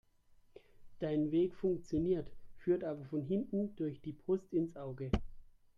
Dein Weg funktioniert, führt aber von hinten durch die Brust ins Auge.